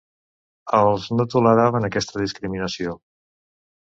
Els no toleraven aquesta discriminació.